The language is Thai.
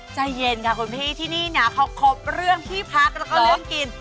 ใจเย็นค่ะคุณพี่ที่นี่เนี่ยเขาครบเรื่องที่พักแล้วก็เรื่องกิน